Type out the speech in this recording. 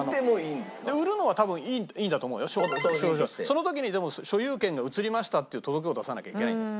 その時にでも「所有権が移りました」っていう届けを出さなきゃいけないんだよ